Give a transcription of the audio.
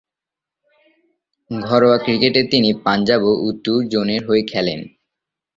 ঘরোয়া ক্রিকেটে তিনি পাঞ্জাব এবং উত্তর জোনের হয়ে খেলেন।